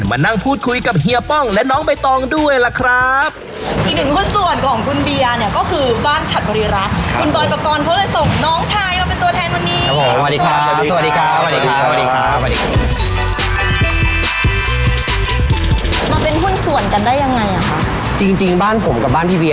มานั่งพูดคุยกับเฮียป้องและน้องใบตองด้วยล่ะครับอีกหนึ่งหุ้นส่วนของคุณเบียเนี่ย